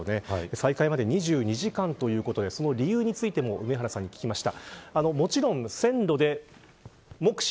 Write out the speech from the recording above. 再開まで２２時間ということでその理由についても梅原さんに聞きました。